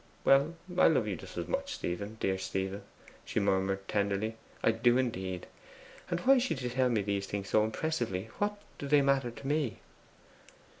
Well, I love you just as much, Stephen, dear Stephen,' she murmured tenderly, 'I do indeed. And why should you tell me these things so impressively? What do they matter to me?